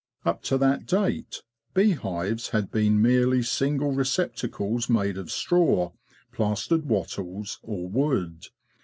Up to that date bee hives had been merely single receptacles made of straw, plastered wattles, or wood.